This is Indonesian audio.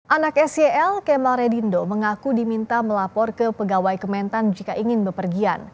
anak sel kemal redindo mengaku diminta melapor ke pegawai kementan jika ingin bepergian